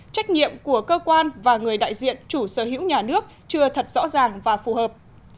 trách nhiệm của cơ quan và người đại diện chủ sở hữu nhà nước chưa thật rõ ràng và phù hợp